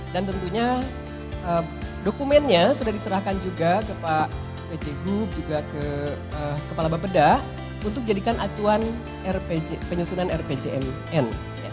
dan tentunya dokumennya sudah diserahkan juga ke pak wc hub juga ke kepala bapeda untuk jadikan acuan penyusunan rpjmn